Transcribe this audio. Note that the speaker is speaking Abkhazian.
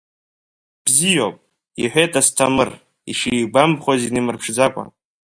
Бзиоуп, — иҳәеит Асҭамыр, ишигәамԥхоз инымырԥшӡакәа…